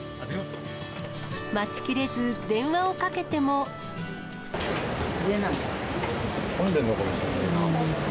待ちきれず、電話をかけても。出ない。